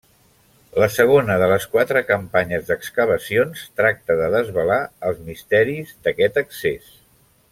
La segona de les quatre campanyes d'excavacions tracta de desvelar els misteris d'aquest accés.